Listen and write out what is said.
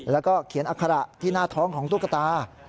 แล้วก็เขียนอัคระที่หน้าท้องของตุ๊กตา